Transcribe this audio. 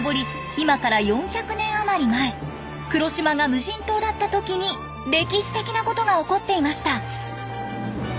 今から４００年余り前黒島が無人島だった時に歴史的な事が起こっていました。